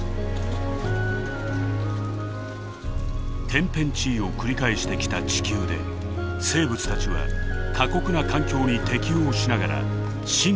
天変地異を繰り返してきた地球で生物たちは過酷な環境に適応しながら進化を続けているのです。